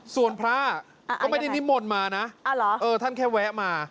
ส่วนพระทำไม่ได้มองมาน่ะเอ้อเหรออ่อท่านแค่แวะมา